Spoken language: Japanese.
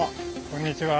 こんにちは。